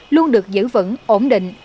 luôn được giữ vững ổn định